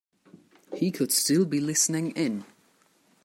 He could still be listening in.